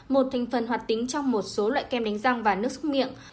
một thành phần hoạt tính trong một số loại kem đánh răng và nước xúc miệng